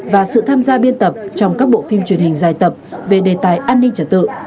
và sự tham gia biên tập trong các bộ phim truyền hình dài tập về đề tài an ninh trật tự